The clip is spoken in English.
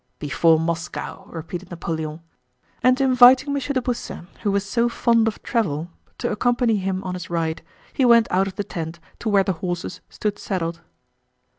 "Before Moscow!" repeated Napoleon, and inviting M. de Beausset, who was so fond of travel, to accompany him on his ride, he went out of the tent to where the horses stood saddled.